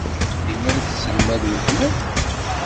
Din ay tesselmad weltma-k?